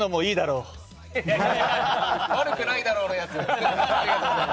悪くないだろうのやつ！